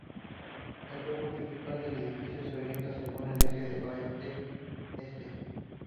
El cuerpo principal del edificio se orienta según el eje oeste-este.